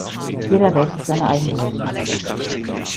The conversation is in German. Jeder wählt sich seine eigene Regierung.